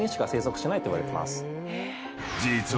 ［実は］